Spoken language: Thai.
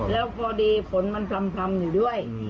แล้วพอดีฝนมันพลำอยู่ด้วย